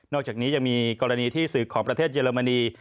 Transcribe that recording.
อกจากนี้ยังมีกรณีที่สื่อของประเทศเยอรมนี